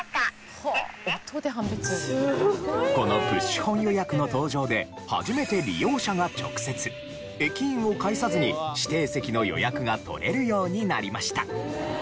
このプッシュホン予約の登場で初めて利用者が直接駅員を介さずに指定席の予約が取れるようになりました。